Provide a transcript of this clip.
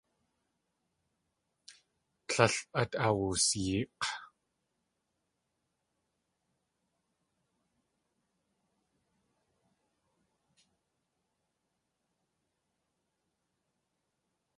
Tlél át awusyeek̲.